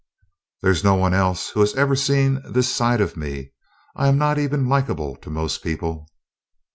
"There's no one else who has ever seen this side of me. I am not even likable to most people."